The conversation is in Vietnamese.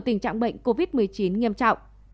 tình trạng bệnh covid một mươi chín nghiêm trọng